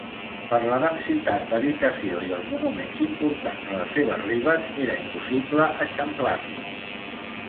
Per la densitat d'habitació i els monuments importants a les seves ribes era impossible eixamplar-lo.